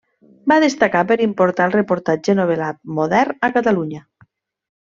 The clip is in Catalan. Va destacar per importar el reportatge novel·lat, modern, a Catalunya.